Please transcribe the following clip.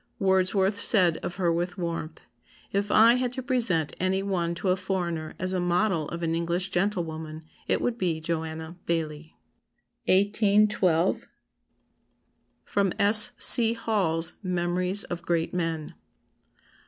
Wordsworth said of her with warmth, 'If I had to present any one to a foreigner as a model of an English gentlewoman, it would be Joanna Baillie.'" 1812. [Sidenote: S. C. Hall's Memories of Great Men.